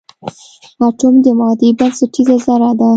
اټوم د مادې بنسټیزه ذره ده.